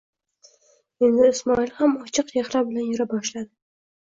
Endi Ismoil ham ochiq chehra bilan yura boshladi.